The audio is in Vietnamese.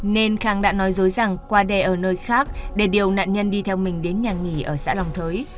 nên khang đã nói dối rằng qua đê ở nơi khác để điều nạn nhân đi theo mình đến nhà nghỉ ở xã lòng thới